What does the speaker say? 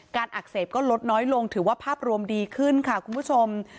อักเสบก็ลดน้อยลงถือว่าภาพรวมดีขึ้นค่ะคุณผู้ชม